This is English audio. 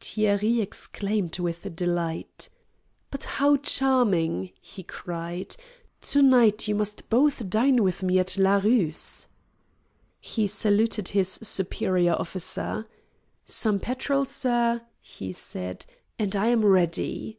Thierry exclaimed with delight. "But how charming!" he cried. "To night you must both dine with me at La Rue's." He saluted his superior officer. "Some petrol, sir," he said. "And I am ready."